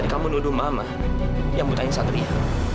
kamu nuduh mama yang butain satria